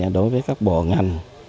đối với các bộ ngành